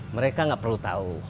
mereka gak perlu tahu